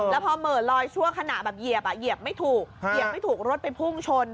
แล้วพอเหมือนรอยชั่วขณะเหยียบไม่ถูกรถไปพุ่งชน